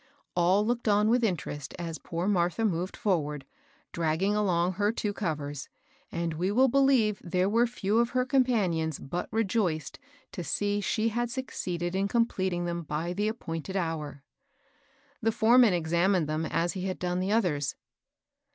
All looked on with interest as poor Martha moved forward, draggmg along her two covers, and we will believe there were few of her compan ions but rejoiced to see she had succeeded in com pleting them by the appointed hour. The foreman examined them as be had done the others.